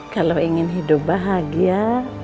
kalau ingin hidup bahagia